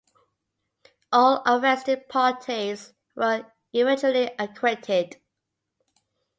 All arrested parties were eventually acquitted.